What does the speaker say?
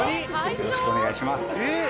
よろしくお願いします」